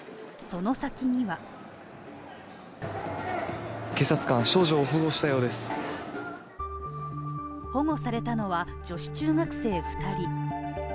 その先には保護されたのは、女子中学生２人。